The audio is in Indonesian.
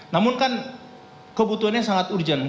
namun kan kebutuhannya sangat urgent